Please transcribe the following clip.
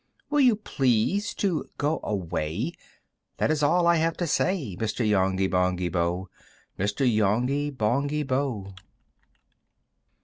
"Will you please to go away? "That is all I have to say "Mr. Yonghy Bonghy Bò, "Mr. Yonghy Bonghy Bò!"